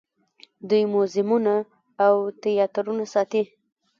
دوی موزیمونه او تیاترونه ساتي.